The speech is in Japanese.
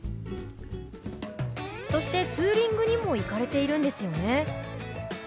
そしてツーリングにも行かれているんですよね？